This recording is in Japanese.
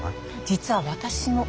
実は私も。